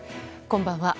こんばんは。